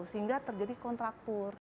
sehingga terjadi kontraktur